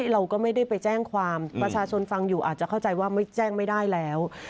เราก็ไม่ได้ไปแจ้งความประชาชนฟังอยู่อาจจะเข้าใจว่าไม่แจ้งไม่ได้แล้ว